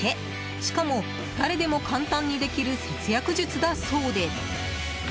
しかも誰でも簡単にできる節約術だそうで。